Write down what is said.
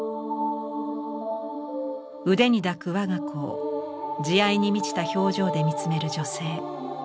腕に抱く我が子を慈愛に満ちた表情で見つめる女性。